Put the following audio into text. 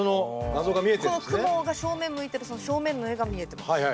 このクモが正面向いてるその正面の絵が見えてます。